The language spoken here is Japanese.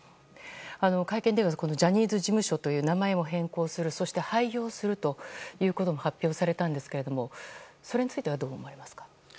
会見ではジャニーズ事務所という名前を変更するそして廃業するということも発表されましたがそれについてはどう思いますか？